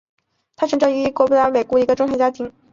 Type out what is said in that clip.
她成长于英格兰西北部霍伊莱克一个中产家庭。